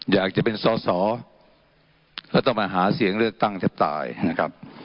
อยากจะเป็นสอสอก็ต้องมาหาเสียงเลือกตั้งแทบตายนะครับ